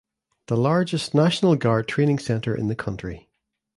The largest National Guard training center in the country.